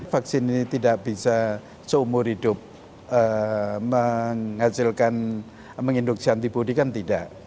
vaksin ini tidak bisa seumur hidup menghasilkan menginduksi antibody kan tidak